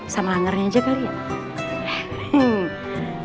sama angernya aja kali ya